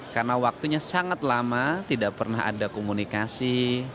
karena waktunya sangat lama tidak pernah ada komunikasi